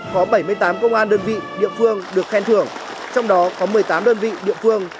có bảy mươi tám công an đơn vị địa phương được khen thưởng trong đó có một mươi tám đơn vị địa phương